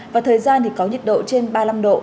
và thời gian thì có nhiệt độ trên ba mươi năm độ